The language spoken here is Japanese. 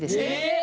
え！